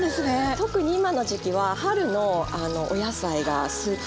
特に今の時期は春のお野菜がスーパーに並んでる。